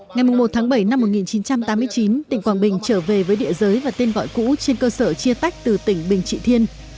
ngày một tháng bảy năm một nghìn chín trăm tám mươi chín tỉnh quảng bình trở về với địa giới và tên gọi cũ trên cơ sở chia tách từ tỉnh bình trị thiên